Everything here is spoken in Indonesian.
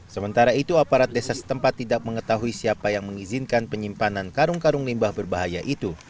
sementara itu aparat desa setempat tidak mengetahui siapa yang mengizinkan penyimpanan karung karung limbah berbahaya itu